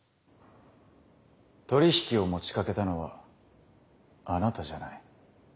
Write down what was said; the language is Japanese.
取り引きを持ちかけたのはあなたじゃない。